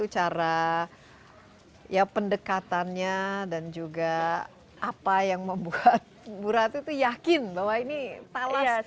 cara ya pendekatannya dan juga apa yang membuat bu ratu itu yakin bahwa ini talas